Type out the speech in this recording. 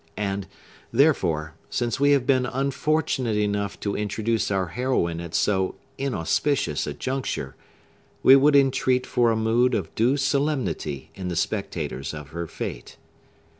And, therefore, since we have been unfortunate enough to introduce our heroine at so inauspicious a juncture, we would entreat for a mood of due solemnity in the spectators of her fate.